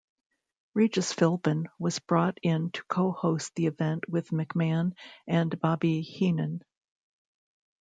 Regis Philbin was brought in to co-host the event with McMahon and Bobby Heenan.